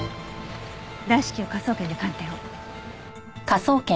大至急科捜研で鑑定を。